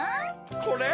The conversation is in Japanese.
これ？